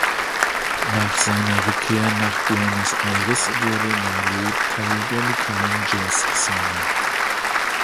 Nach seiner Rückkehr nach Buenos Aires wurde Merlo Teil der lokalen Jazzszene.